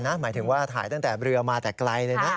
หมายถึงว่าถ่ายตั้งแต่เรือมาแต่ไกลเลยนะ